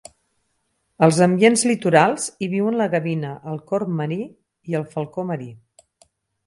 Als ambients litorals hi viuen la gavina, el corb marí i el falcó marí.